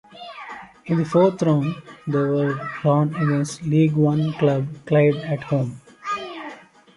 In the fourth round they were drawn against League One club Clyde at home.